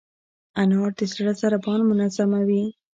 انار د زړه ضربان منظموي.